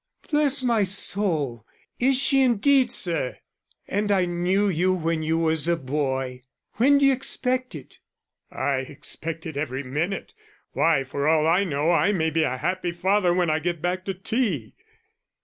"Bless my soul, is she indeed, sir and I knew you when you was a boy! When d'you expect it?" "I expect it every minute. Why, for all I know, I may be a happy father when I get back to tea."